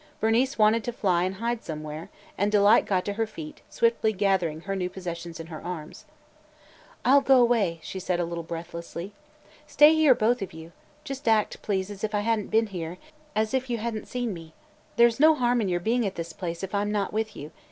Bernice wanted to fly and hide somewhere, and Delight got to her feet, swiftly gathering her new possessions in her arms. "I 'll go away," she said a little breathlessly. "Stay here, both of you. Just act, please, as if I had n't been here, as if you had n't seen me. There 's no harm in your being at this place if I 'm not with you.